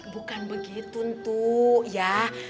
bukan begitu tuh ya